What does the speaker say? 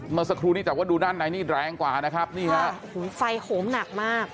เมื่อสักครู่นี้แต่ว่าดูด้านในนี่แรงกว่านะครับนี่ฮะโอ้โหไฟโหมหนักมาก